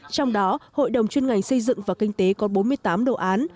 trong đó hội đồng chuyên ngành xây dựng và kinh tế có bốn mươi tám đồ án